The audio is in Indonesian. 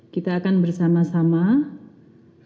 kita akan bersama sama menjaga keuangan negara